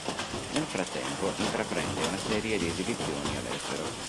Nel frattempo intraprende una serie di esibizioni all'estero.